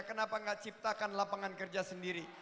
kenapa tidak ciptakan lapangan kerja sendiri